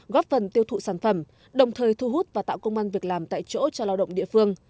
góp phần tiêu thụ sản phẩm đồng thời thu hút và tạo công an việc làm tại chỗ cho lao động địa phương